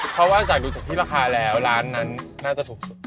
เพราะว่าจากดูจากที่ราคาแล้วร้านนั้นน่าจะถูกสุด